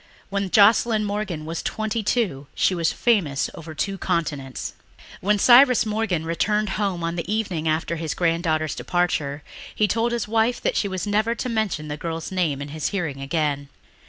When Joscelyn Morgan was twenty two she was famous over two continents. When Cyrus Morgan returned home on the evening after his granddaughter's departure he told his wife that she was never to mention the girl's name in his hearing again.